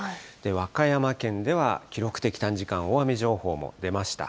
和歌山県では記録的短時間大雨情報も出ました。